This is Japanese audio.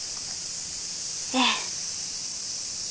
ええ。